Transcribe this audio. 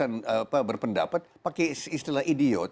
karena kita mau kebebasan berpendapat pakai istilah idiot